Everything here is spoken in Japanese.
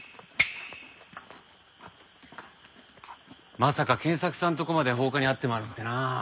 まさか賢作さんのとこまで放火に遭ってまうなんてなあ。